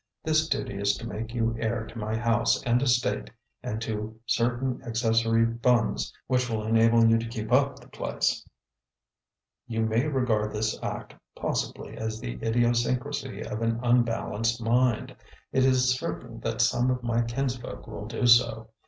This duty is to make you heir to my house and estate and to certain accessory funds which will enable you to keep up the place. "You may regard this act, possibly, as the idiosyncrasy of an unbalanced mind; it is certain that some of my kinsfolk will do so.